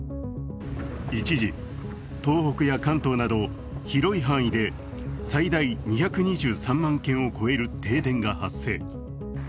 一時、東北や関東など広い範囲で最大２２３万軒を超える停電が発生。